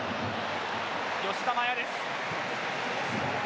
吉田麻也です。